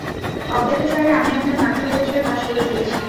অজ্ঞাতসারে আমি আপনার নাতির পরিচয় ফাঁস করে দিয়েছি।